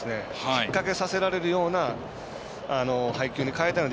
引っ掛けさせられるような配球に変えたら。